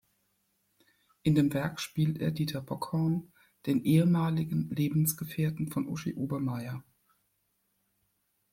In dem Werk spielt er Dieter Bockhorn, den ehemaligen Lebensgefährten von Uschi Obermaier.